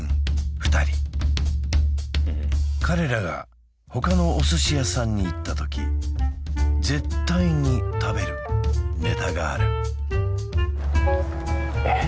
二人彼らが他のお寿司屋さんに行った時絶対に食べるネタがあるえっ？